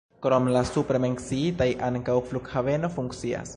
Krom la supre menciitaj ankaŭ flughaveno funkcias.